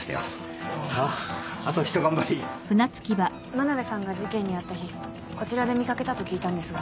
真鍋さんが事件に遭った日こちらで見掛けたと聞いたんですが。